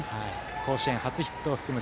甲子園初ヒットを含む